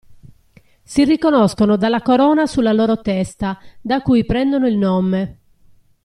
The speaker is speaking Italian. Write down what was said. Si riconoscono dalla corona sulla loro testa da cui prendono il nome.